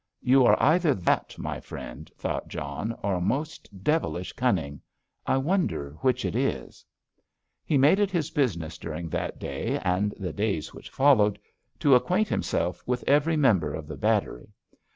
"You are either that, my friend," thought John, "or most devilish cunning. I wonder which it is?" He made it his business during that day, and the days which followed, to acquaint himself with every member of the battery.